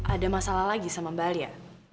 ada masalah lagi sama mbak lia